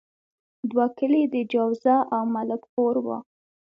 دوه کلي د جوزه او ملک پور وو.